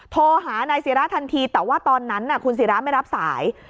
โทรหานายศิราทันทีแต่ว่าตอนนั้นคุณศิราไม่รับสาย